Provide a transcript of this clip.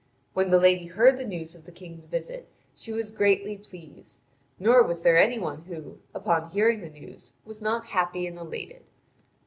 When the lady heard the news of the King's visit she was greatly pleased; nor was there any one who, upon hearing the news, was not happy and elated.